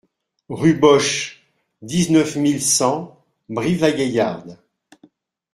Rue Bosche, dix-neuf mille cent Brive-la-Gaillarde